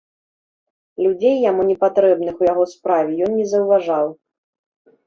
Людзей, яму непатрэбных у яго справе, ён не заўважаў.